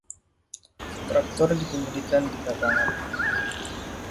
Traktor dikemudikan di lapangan.